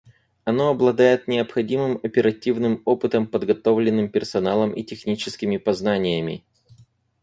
Оно обладает необходимым оперативным опытом, подготовленным персоналом и техническими познаниями.